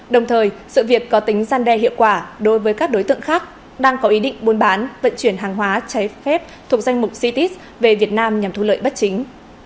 đồng thời sự việc có tính gian đe hiệu quả đối với các đối tượng khác đang có ý định buôn bán vận chuyển hàng hóa cháy phép thuộc danh mục cit về việt nam nhằm thu lợi bất chính